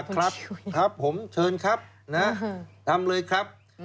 ครับผมเชิญครับทำเลยครับ